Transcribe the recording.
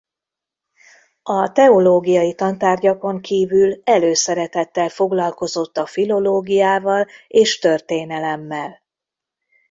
A teológiai tantárgyakon kívül előszeretettel foglalkozott a filológiával és történelemmel.